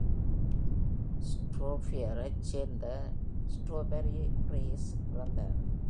Shropshireஐச் சேர்ந்த Shrewsburyஇல் Preece பிறந்தார்.